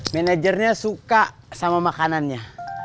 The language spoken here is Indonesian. manajernya suka sama makanannya